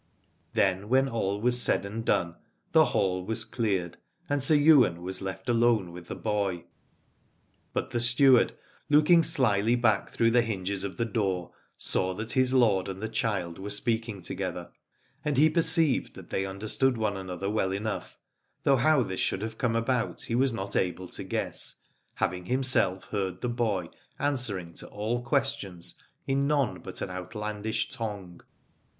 Then when all was said and done the hall was cleared, and Sir Ywain was left alone with the boy. But the steward, looking slyly back through the hinges of the door, saw that his lord and the child were speaking together ; and he perceived that they understood one another well enough, though how this should have come about he was not able to guess, having himself heard the boy answering to all ques tions in none but an outlandish tongue.